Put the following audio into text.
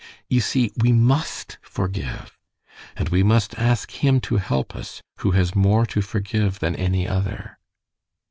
You see we MUST forgive. And we must ask Him to help us, who has more to forgive than any other."